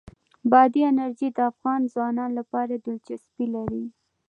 بادي انرژي د افغان ځوانانو لپاره دلچسپي لري.